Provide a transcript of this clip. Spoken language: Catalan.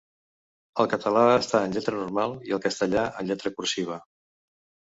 El català està en lletra normal i el castellà en lletra cursiva.